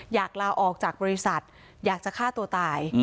ลาออกจากบริษัทอยากจะฆ่าตัวตาย